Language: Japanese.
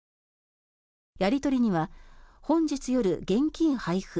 やり取りには本日夜、現金配布。